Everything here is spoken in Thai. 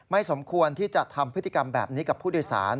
สมควรที่จะทำพฤติกรรมแบบนี้กับผู้โดยสาร